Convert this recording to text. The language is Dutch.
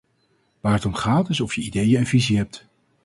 Waar het om gaat is of je ideeën en visie hebt.